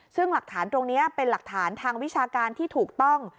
ซึ่งหลักฐานตรงนี้เป็นหลักฐานทางวิชาการที่ถูกต้อง